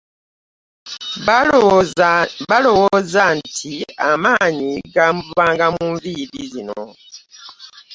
Baalowooza nti amaanyi gaamuvanga mu nviiri zino.